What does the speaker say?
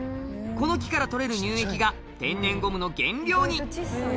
この木から取れる乳液が、天然ゴムの原料に。